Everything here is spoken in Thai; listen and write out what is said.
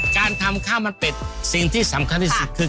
การทำข้าวมันเป็ดสิ่งที่สำคัญที่สุดคือ